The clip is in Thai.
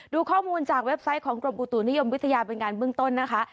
ดูข้อมูลจากเว็บไซต์ของกรมอุตุนิยมวิทยาเป็นงานเบื้องต้นนะคะ